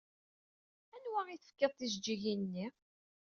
Anwa ay tefkid tijeǧǧigin-nni?